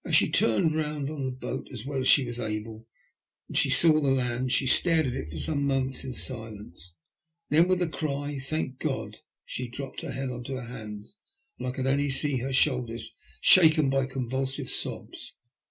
She turned round on the boat as well as she was able and when she saw the land, stared at it for some moments in silence. Then with a cry, ''Thank God !" she dropped her head on to her hands and I could see her shoulders shaken by convulsive sobs.